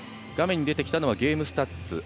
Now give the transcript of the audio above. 画面に出てきたのはゲームスタッツ。